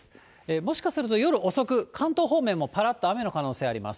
もしかすると、夜遅く、関東方面もぱらっと雨の可能性あります。